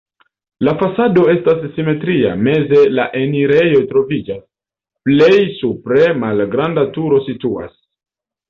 La fasado estas simetria, meze la enirejo troviĝas, plej supre malgranda turo situas.